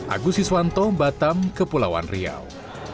agus iswanto batam kepulauan riau